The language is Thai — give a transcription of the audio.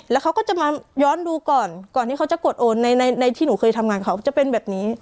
แล้วเขาก็จะมาย้อนดูก่อนก่อนที่เขาจะกดโอนในที่หนูเคยทำงานเขาจะเป็นแบบนี้